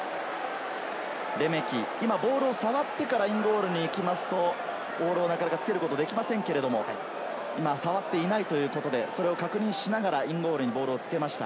レメキ、ボールを触ってからインゴールに行きますとボールをなかなかつけることができませんが、触っていないということで確認をしながら、インゴールにボールをつけました。